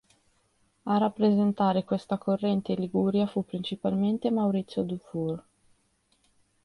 A rappresentare questa corrente in Liguria fu principalmente Maurizio Dufour.